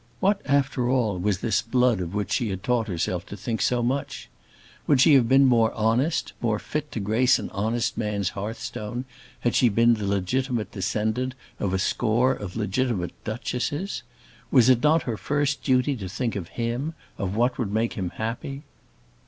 What, after all, was this blood of which she had taught herself to think so much? Would she have been more honest, more fit to grace an honest man's hearthstone, had she been the legitimate descendant of a score of legitimate duchesses? Was it not her first duty to think of him of what would make him happy?